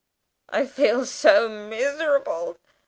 "I feel so miserable!"